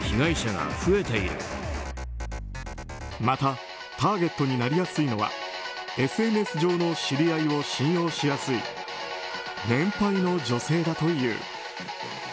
またターゲットになりやすいのはＳＮＳ上の知り合いを信用しやすい年配の女性だという。